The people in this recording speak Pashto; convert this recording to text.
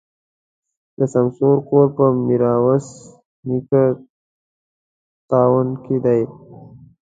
د سمسور کور په ميروایس نیکه تاون کي دی.